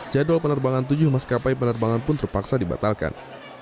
jadwal penerbangan tujuh maskapai penerbangan pun terpaksa dibatalkan